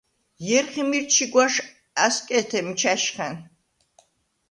ჲერხი მირ ჩიგუ̂აშ ა̈სკეთე მიჩა̈შხა̈ნ!